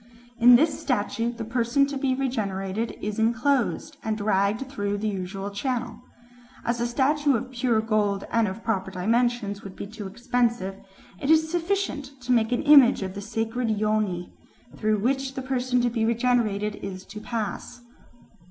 In this statue the person to be regenerated is enclosed, and dragged through the usual channel. As a statue of pure gold and of proper dimensions would be too expensive, it is sufficient to make an image of the sacred Yoni, through which the person to be regenerated is to pass."